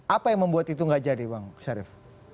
apa yang membuat itu nggak jadi bang syarif